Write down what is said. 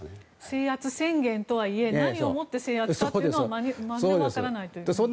制圧宣言とはいえ何をもって制圧かというのは分からないという。